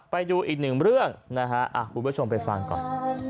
ไปดูอีกหนึ่งเรื่องนะฮะคุณผู้ชมไปฟังก่อน